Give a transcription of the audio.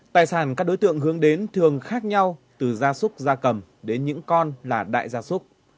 tài sản các đối tượng hướng đến thường khác nhau từ gia súc gia cầm đến những con là đại gia súc